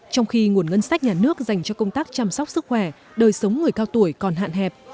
trong khi nguồn ngân sách nhà nước dành cho công tác chăm sóc sức khỏe đời sống người cao tuổi còn hạn hẹp